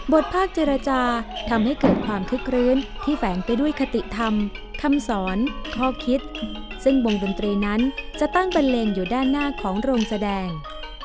ภาคเจรจาทำให้เกิดความคึกคลื้นที่แฝงไปด้วยคติธรรมคำสอนข้อคิดซึ่งวงดนตรีนั้นจะตั้งบันเลงอยู่ด้านหน้าของโรงแสดง